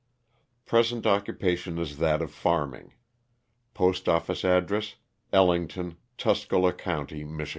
Present occupation is that of farming. Post office address, Ellington, Tuscola county, Mich.